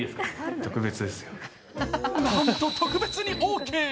なんと特別にオーケー。